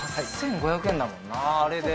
８５００円だもんな、あれで。